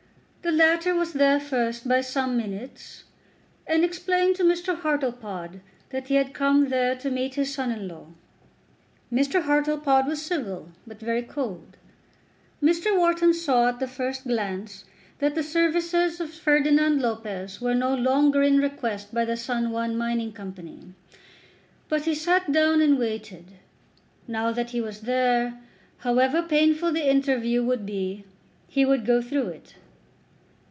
The latter was there first by some minutes, and explained to Mr. Hartlepod that he had come there to meet his son in law. Mr. Hartlepod was civil, but very cold. Mr. Wharton saw at the first glance that the services of Ferdinand Lopez were no longer in request by the San Juan Mining Company; but he sat down and waited. Now that he was there, however painful the interview would be, he would go through it.